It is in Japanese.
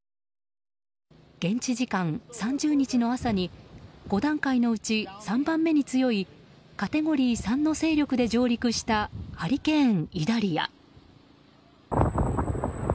現地時間３０日の朝に５段階のうち３番目に強いカテゴリー３の勢力で上陸したハリケーン、イダリア。